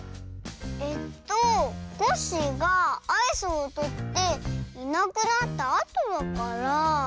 えっとコッシーがアイスをとっていなくなったあとだから。